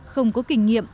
không có kinh nghiệm